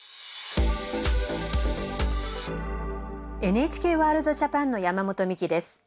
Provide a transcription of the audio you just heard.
「ＮＨＫワールドＪＡＰＡＮ」の山本美希です。